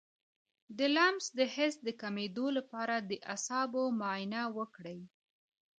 د لمس د حس د کمیدو لپاره د اعصابو معاینه وکړئ